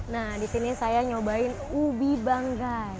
nah di sini saya nyobain ubi banggai